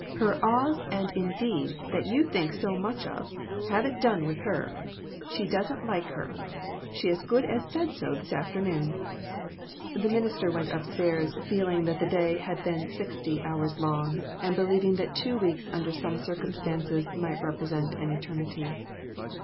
Her'ahs'and 'indeeds' that you think so much of, haven't done with her. She doesn't like her; she as good as said so this afternoon." DON'T REPEAT IT. 157 The minister went up stairs feeling that the day had been sixty hours long, and believing that two weeks, under some circumstances, might represent an eternity.